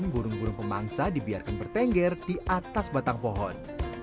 burung burung pemangsa dibiarkan bertengger di atas batang pohon